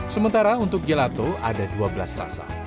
sementara untuk gelato ada dua belas rasa